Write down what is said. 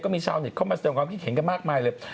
มีชาวเน็ตเข้ามาแสดงความคิดเห็นกันมากมายเลย